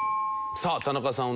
さあ田中さん